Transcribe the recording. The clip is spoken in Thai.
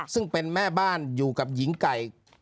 ซึ่งเป็นแม่บ้านอยู่กับหญิงไก่